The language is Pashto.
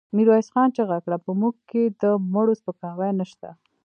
ميرويس خان چيغه کړه! په موږ کې د مړو سپکاوی نشته.